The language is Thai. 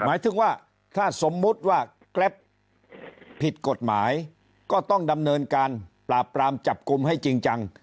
หมายถึงว่าถ้าสมมุติว่าแกรปผิดกฎหมายก็ต้องดำเนินการปราบปรามจับกลุ่มให้จริงจัง